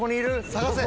探せ！」